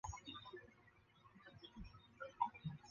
所有的筹款活动几乎全靠募款人的游说。